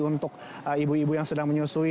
untuk ibu ibu yang sedang menyusui